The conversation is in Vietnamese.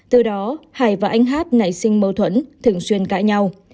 từ đó hải và anh hát nảy sinh mâu thuẫn thường xuyên cãi nhau